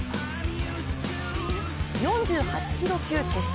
４８キロ級決勝。